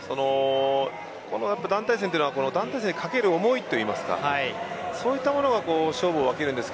団体戦というのは団体戦にかける思いというのがそういったものが勝負を分けます。